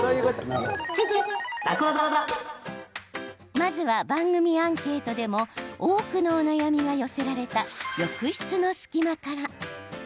まずは、番組アンケートでも多くのお悩みが寄せられた浴室の隙間から。